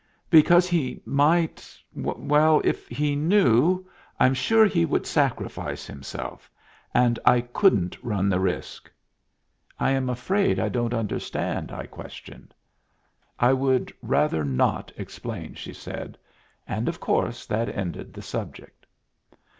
"Because he might well, if he knew, I'm sure he would sacrifice himself; and I couldn't run the risk." "I am afraid I don't understand?" I questioned. "I would rather not explain," she said, and of course that ended the subject.